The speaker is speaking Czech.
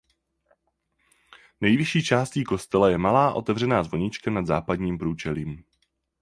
Nejvyšší částí kostela je malá otevřená zvonička nad západním průčelím.